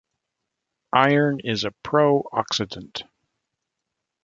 Iron is a pro-oxidant.